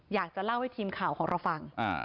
อยากจะเล่าให้ทีมข่าวของเราฟัง